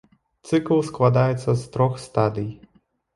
Цыкл складаецца з трох стадый.